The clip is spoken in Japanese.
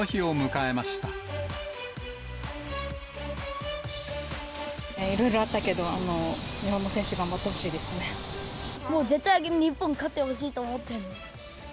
いろいろあったけど、日本のもう絶対、日本勝ってほしいと思ってる。